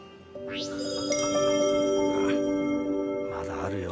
まだあるよ